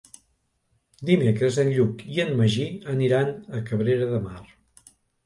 Dimecres en Lluc i en Magí aniran a Cabrera de Mar.